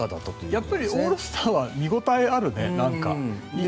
やっぱりオールスターは見応えあるね。